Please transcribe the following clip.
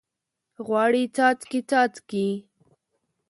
غواړي څاڅکي، څاڅکي